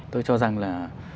tôi cho rằng là